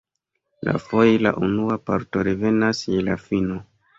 Iafoje la unua parto revenas je la fino.